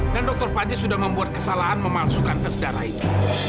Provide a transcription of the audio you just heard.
dan dr panji sudah membuat kesalahan memalsukan tes darah itu